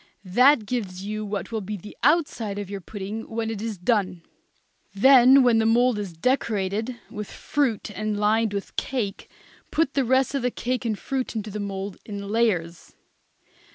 That gives you what will be the outside of your pudding when it is done. Then when the mould is decorated with fruit and lined with cake, put the rest of the cake and fruit into the mould in layers.